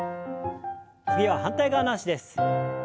次は反対側の脚です。